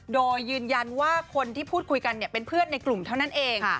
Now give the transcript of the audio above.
โดยยืนยันว่าคนที่พูดคุยกันเป็นเพื่อนในกลุ่มเท่านั้นเอง